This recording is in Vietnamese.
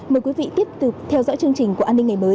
mời quý vị tiếp tục theo dõi chương trình của an ninh ngày mới